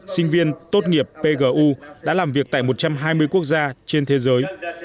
sinh viên tốt nghiệp pgu đã làm việc tại một trăm hai mươi quốc gia trên thế giới